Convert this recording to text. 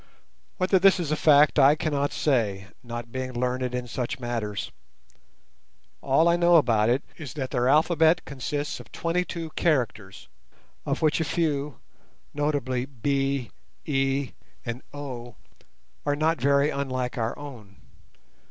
Whether this is a fact I cannot say, not being learned in such matters. All I know about it is that their alphabet consists of twenty two characters, of which a few, notably B, E, and O, are not very unlike our own.